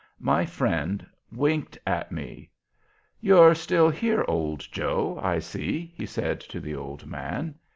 My friend winked at me. "You're here still, Old Joe, I see," he said to the old man.